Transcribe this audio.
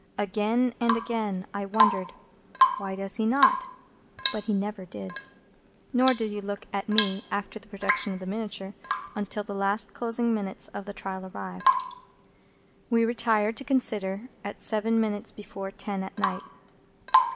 Again and again I wondered, "Why does he not?" But he never did. Nor did he look at me, after the production of the miniature, until the last closing minutes of the trial arrived. We retired to consider, at seven minutes before ten at night.